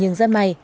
nhưng dân may